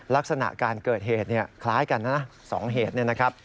ลักษณะการเกิดเหตุคล้ายกันนะนะ๒เหตุเนี่ยนะครับ